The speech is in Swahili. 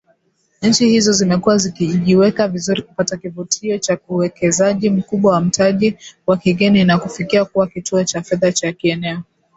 Nchi hizo zimekuwa zikijiweka vizuri kupata kivutio cha uwekezaji mkubwa wa mtaji wa kigeni na kufikia kuwa kituo cha fedha cha kieneo